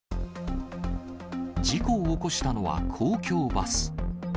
事故を起こしたのは公共バス。